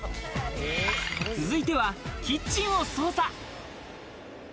続いてはキッチンを捜査。